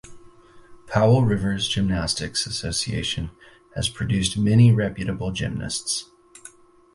Powell River's Gymnastics association has produced many reputable gymnasts.